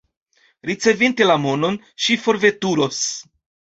Ricevinte la monon, ŝi forveturos.